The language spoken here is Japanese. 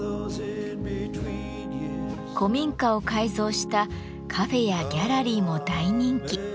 古民家を改造したカフェやギャラリーも大人気。